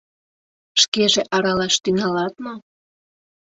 — Шкеже аралаш тӱҥалат мо?